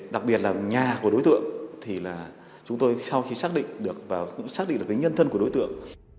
đặc biệt là nhà của đối tượng chúng tôi sau khi xác định được xác định được nhân thân của đối tượng